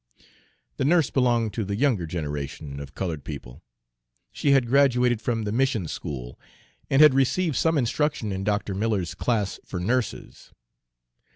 The nurse belonged to the younger generation of colored people. She had graduated from the mission school, and had received some instruction in Dr. Miller's class for nurses.